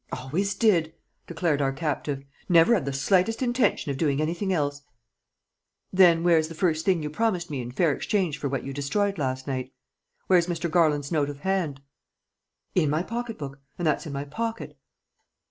"Always did," declared our captive; "never 'ad the slightest intention of doing anything else." "Then where's the first thing you promised me in fair exchange for what you destroyed last night? Where's Mr. Garland's note of hand?" "In my pocket book, and that's in my pocket."